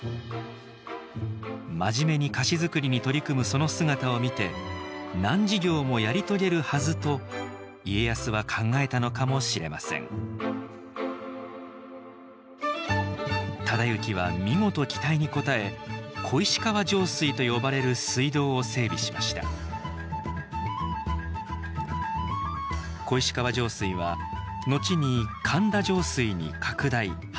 真面目に菓子づくりに取り組むその姿を見て難事業もやり遂げるはずと家康は考えたのかもしれません忠行は見事期待に応え「小石川上水」と呼ばれる水道を整備しました小石川上水は後に「神田上水」に拡大・発展したと考えられています。